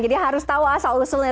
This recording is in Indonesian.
jadi harus tahu asal usulnya